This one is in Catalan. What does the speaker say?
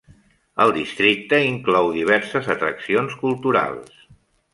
El districte inclou diverses atraccions culturals.